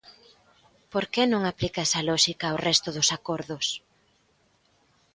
¿Por que non aplica esa lóxica ao resto dos acordos?